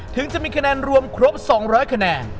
ถึงจะมีคะแนนรวมครบ๒๐๐คะแนน